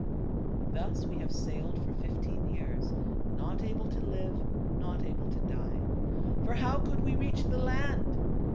" Thus we have sailed for fifteen years ; not able to live, not able to die. For how could we reach the land